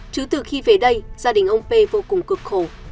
chứ từ khi về đây gia đình ông p vô cùng cực khổ